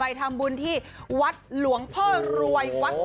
ไปทำบุญที่วัดหลวงเพิ่งรวยวัดตะโก